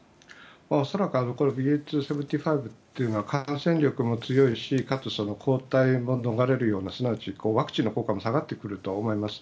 恐らくＢＡ．２．７５というのは感染力も強いしかつ抗体も逃れるようなすなわちワクチンの効果も下がると思います。